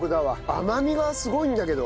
甘みがすごいんだけど。